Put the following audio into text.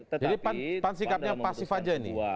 jadi pan sikapnya pasif saja ini